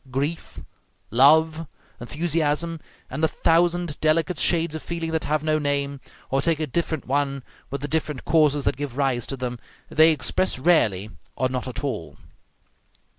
Grief, love, enthusiasm, and the thousand delicate shades of feeling that have no name, or take a different one with the different causes that give rise to them, they express rarely, or not at all.